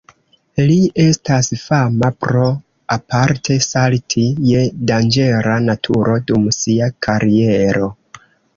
Li estas fama pro aparte salti je danĝera naturo dum sia kariero.